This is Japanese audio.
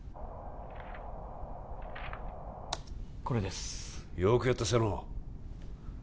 これですよくやった瀬能